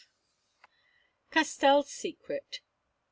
CASTELL'S SECRET.